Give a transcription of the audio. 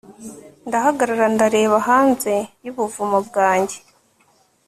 ndahagarara ndareba hanze yubuvumo bwanjye